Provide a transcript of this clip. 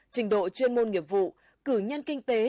trình độ chuyên môn nghiệp vụ cử nhân kinh tế